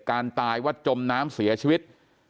การตายวัดจมน้ำเสียชีวิต